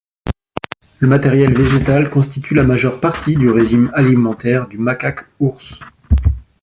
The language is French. Le matériel végétal constitue la majeure partie du régime alimentaire du macaque ours.